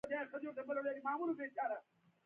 د جغرافيې په راتلونکي لوست یې ټولګیوالو ته وړاندې کړئ.